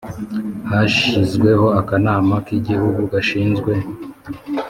Hashyizweho Akanama k Igihugu gashinzwe